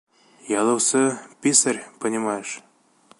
Яҙыусы, писарь, понимаешь.